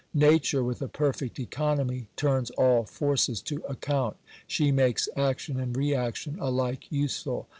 Nature, with a perfect economy, turns all forces to account. She makes action and re action alike usefiil.